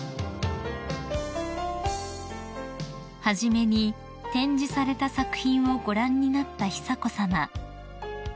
［初めに展示された作品をご覧になった久子さま］